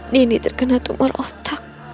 dini terkena tumor otak